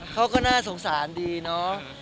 เขาก็น่าสงสารดีเนาะ